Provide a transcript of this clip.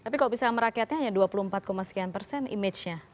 tapi kalau bisa merakyatnya hanya dua puluh empat sekian persen image nya